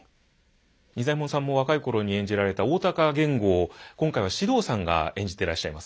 仁左衛門さんも若い頃に演じられた大高源吾を今回は獅童さんが演じてらっしゃいます。